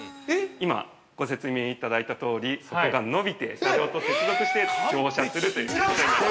今ご説明いただいたとおりそこが伸びて車両と接続して乗車するということになります。